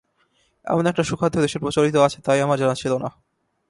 এমন একটা সুখাদ্য দেশে প্রচলিত আছে তা-ই আমার জানা ছিল না।